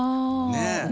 ねえ。